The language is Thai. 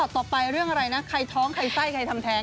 ต่อไปเรื่องอะไรนะใครท้องใครไส้ใครทำแท้ง